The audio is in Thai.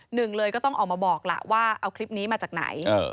หนึ่งเลยก็ต้องออกมาบอกล่ะว่าเอาคลิปนี้มาจากไหน